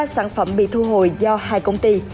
ba sản phẩm bị thu hồi do hai công ty